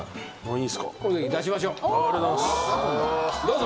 どうぞ。